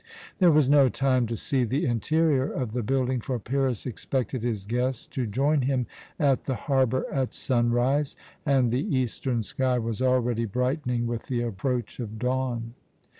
There was no time to see the interior of the building, for Pyrrhus expected his guest to join him at the harbour at sunrise, and the eastern sky was already brightening with the approach of dawn.